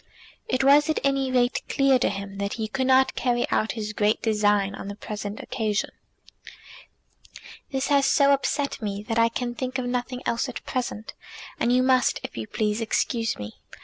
It was at any rate clear to him that he could not carry out his great design on the present occasion. "This has so upset me that I can think of nothing else at present, and you must, if you please, excuse me.